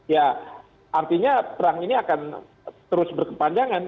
ya artinya perang ini akan terus berkepanjangan